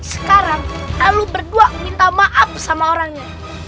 sekarang alu berdua minta maaf sama orangnya